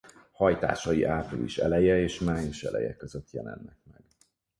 Hajtásai április eleje és május eleje között jelennek meg.